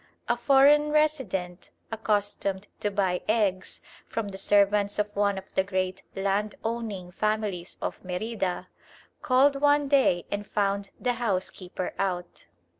A foreign resident, accustomed to buy eggs from the servants of one of the great land owning families of Merida, called one day and found the housekeeper out.